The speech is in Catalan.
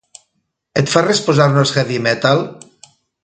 Et fa res posar-nos heavy metal?